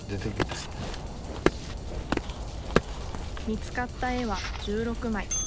見つかった絵は１６枚。